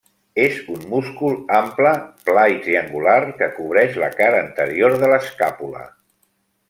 És un múscul ample, pla i triangular que cobreix la cara anterior de l'escàpula.